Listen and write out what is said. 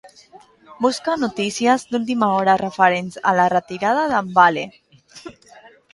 Busca notícies d'última hora referents a la retirada d'en Bale.